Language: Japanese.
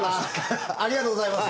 ありがとうございます。